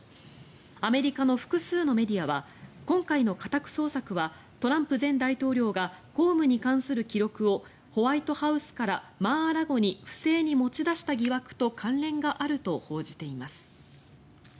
アメリカの複数のメディアは今回の家宅捜索はトランプ前大統領が公務に関する記録をホワイトハウスからマー・ア・ラゴに不正に持ち出した疑惑と関連があると報じています。